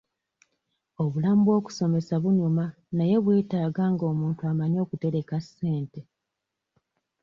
Obulamu bw'okusomesa bunyuma naye bwetaaga nga omuntu amanyi okutereka ssente.